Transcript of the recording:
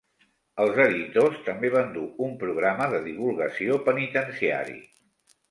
Els editors també van dur un programa de divulgació penitenciari.